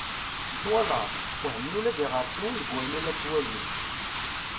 Twalaḍ! Wehmen ula d iɣersiwen deg wayen i la ttwalin.